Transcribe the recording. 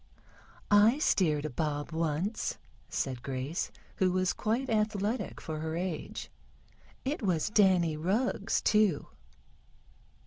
"I steered a bob once," said Grace, who was quite athletic for her age. "It was Danny Rugg's, too."